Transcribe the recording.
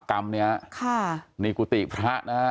ข้ากรรมเนี้ยค่ะค่ะนี่กุฏิพระนะฮะ